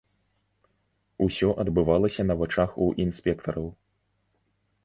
Усё адбывалася на вачах у інспектараў.